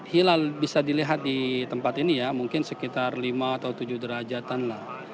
hilal bisa dilihat di tempat ini ya mungkin sekitar lima atau tujuh derajatan lah